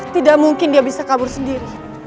tidak mungkin dia bisa kabur sendiri